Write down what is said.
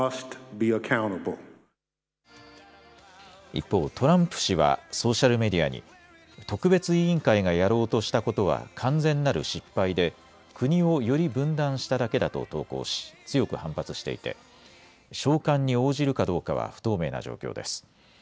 一方、トランプ氏はソーシャルメディアに特別委員会がやろうとしたことは完全なる失敗で国をより分断しただけだと投稿し強く反発していて召喚に応じるかどうかは不透明な状況です。